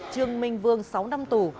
trương minh vương sáu năm tù